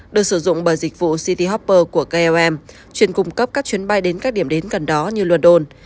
được sử dụng bởi dịch vụ ct hopper của klm chuyên cung cấp các chuyến bay đến các điểm đến gần đó như london